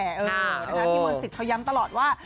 พี่มนต์สิทธิ์เขาย้ำตลอดว่า